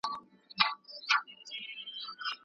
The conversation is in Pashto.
ماشوم له کورنۍ زده کړه واخيسته او دا تعليم و.